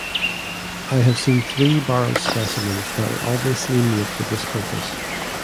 I have seen three barrelled specimens that were obviously made for this purpose.